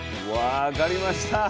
分かりました。